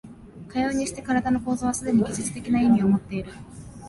かようにして身体の構造はすでに技術的な意味をもっている。